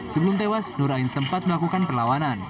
sebelum tewas nur ain sempat melakukan perlawanan